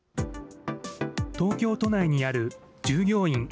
東京都内にある、従業員